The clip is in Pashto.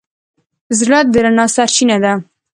زړه د رڼا سرچینه ده.